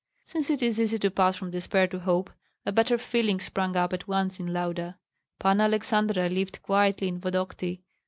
Since it is easy to pass from despair to hope, a better feeling sprang up at once in Lauda. Panna Aleksandra lived quietly in Vodokty.